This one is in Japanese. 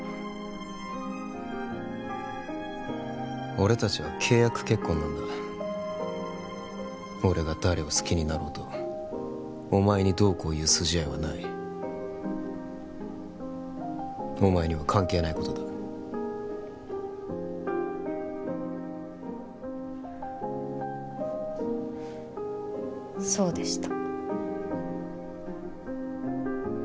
俺たちは契約結婚なんだ俺が誰を好きになろうとお前にどうこういう筋合いはないお前には関係ないことだそうでした